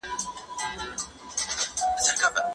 شاګرد ته باید پوره خپلواکي ورکړل سي.